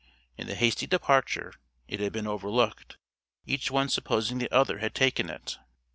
In the hasty departure it had been overlooked, each one supposing the other had taken it.